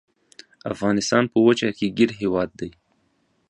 افغانستان په وچه کې ګیر هیواد دی.